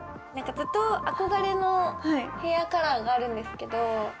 ずっと憧れのヘアカラーがあるんですけど。